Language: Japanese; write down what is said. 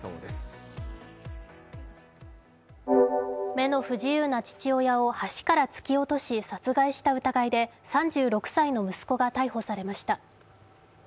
目の不自由な父親を橋から突き落とし殺害した疑いで３６歳の息子が逮捕されました。